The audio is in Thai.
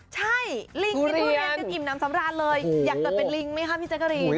ใช่ลิงมีทุเรียนเป็นอิ่มน้ำสำราญเลยอยากแต่เป็นลิงไหมคะพี่แจ๊กรี